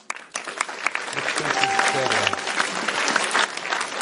Ur kent-id-ttarraɣ.